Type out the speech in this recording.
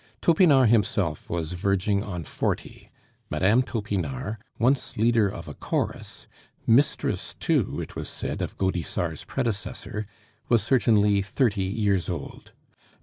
Topinard himself was verging on forty; Mme. Topinard, once leader of a chorus mistress, too, it was said, of Gaudissart's predecessor, was certainly thirty years old.